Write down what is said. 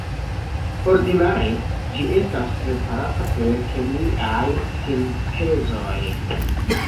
Ordinare ĝi estas preparata per kemiaj sintezoj.